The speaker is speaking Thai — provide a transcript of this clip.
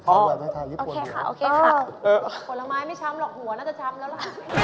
โอเคค่ะโอเคค่ะผลไม้ไม่ช้ำหรอกหัวน่าจะช้ำแล้วล่ะ